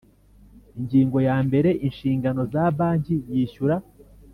Ingingo ya mbere Inshingano za banki yishyura